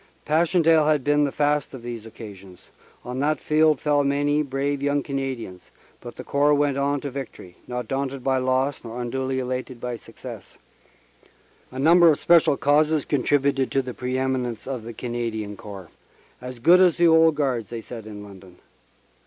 Pass chendaele had been the fast of these occasions. On that field fell many brave young Canadians, but the Corps went on to victory, not daunted by loss nor unduly elated by success. A number of special causes contributed to the pre eminence of the Canadian Corps "As good as the old Guards," they said in London.